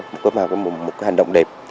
một cái hành động đẹp